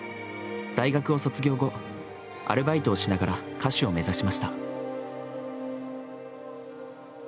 大学を卒業後、アルバイトをしながら歌手を目指しました。